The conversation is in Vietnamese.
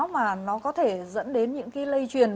mà nó có thể dẫn đến những cái lây truyền